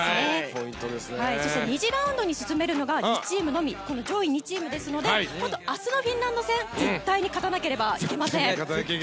そして２次ラウンドに進めるのが上位２チームですので明日のフィンランド戦絶対に勝たなければいけません。